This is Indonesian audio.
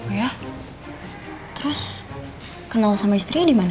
iya terus kenal sama istrinya dimana